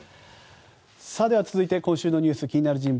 続いて今週のニュース気になる人物